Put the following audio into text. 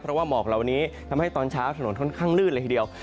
เพราะว่าหมอกเหล่านี้ทำให้ตอนเช้าถนนค่อนข้างลื่นเลยทีเดียว